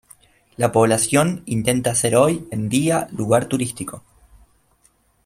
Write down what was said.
La población intenta ser hoy en día lugar turístico.